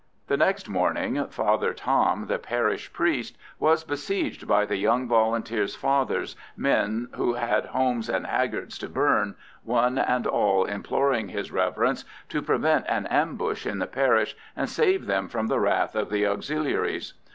The next morning Father Tom, the parish priest, was besieged by the young Volunteers' fathers, men who had homes and haggards to burn, one and all imploring his reverence to prevent an ambush in the parish, and to save them from the wrath of the Auxiliaries.